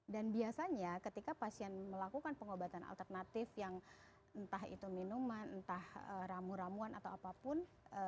dan biasanya ketika pasien melakukan pengobatan alternatif yang entah itu minuman entah ramuan ramuan atau apapun